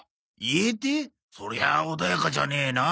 そりゃあ穏やかじゃねえな。